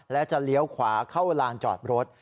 และจะเลี้ยวขวาเข้าลานจอดรถ